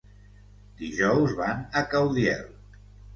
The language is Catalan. Dijous van a Caudiel.